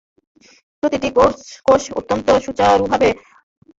প্রতিটি কোষ অত্যন্ত সুচারুভাবে কঠোর নিয়ন্ত্রণের মধ্যে তার সত্তা বজায় রাখে।